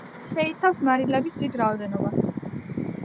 შეიცავს მარილების დიდ რაოდენობას.